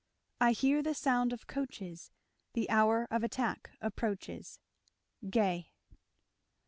I hear the sound of coaches, The hour of attack approaches. Gay.